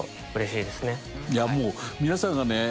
いやもう皆さんがね